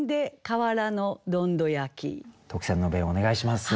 特選の弁をお願いします。